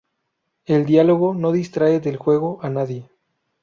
El diálogo no distrae del juego a nadie.